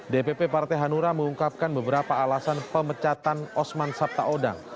dpp partai hanura mengungkapkan beberapa alasan pemecatan osman sabtaodang